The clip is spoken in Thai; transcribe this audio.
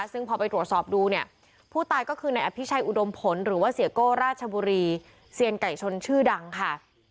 ซึ่งพอไปตรวจสอบดูเนี่ยผู้ตายก็คือในอภิชัยอุดมผลหรือว่าเสียโก้ราชบุรีเซียนไก่ชนชื่อดังค่ะ